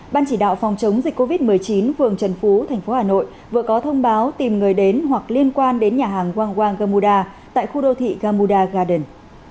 ban chỉ đạo phòng chống dịch covid một mươi chín phường trần phú thành phố hà nội vừa có thông báo tìm người đến hoặc liên quan đến nhà hàng wang wang gamuda tại khu đô thị gamuda garden